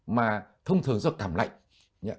mà thông thường do cảm lạnh